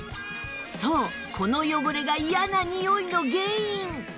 そうこの汚れが嫌なにおいの原因